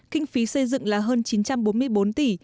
kinh phí xây dựng là hơn chín trăm bốn mươi bốn tỷ